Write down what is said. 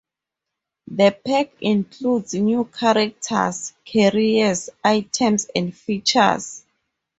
The pack includes new characters, careers, items, and features.